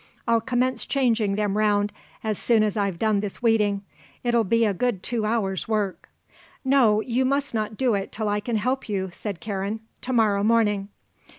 I'll commence changing them round as soon as I've done this weeding. It'll be a good two hours' work." "No, you must not do it till I can help you," said Karen. "To morrow morning."